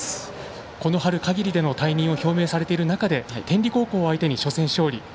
この春限りでの退任を表明されている中で天理高校を相手に初戦勝利。